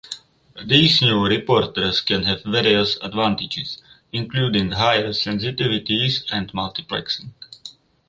These new reporters can have various advantages, including higher sensitivities and multiplexing.